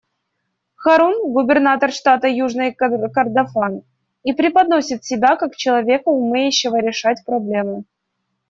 Харун — губернатор штата Южный Кордофан и преподносит себя как человека, умеющего решать проблемы.